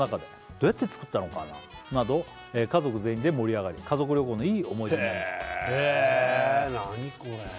「どうやって作ったのかな？など家族全員で盛り上がり」「家族旅行のいい思い出になりました」